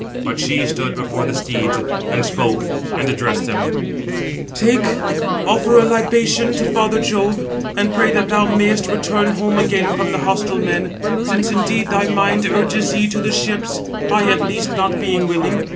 But she stood before the steeds, and spoke, and addressed them: "Take, 787 offer a libation to father Jove, and pray that thou mayest return home again from the hostile men; since indeed thy mind urges thee to the ships, I at least not being willing.